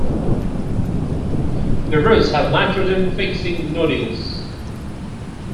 The roots have nitrogen-fixing nodules.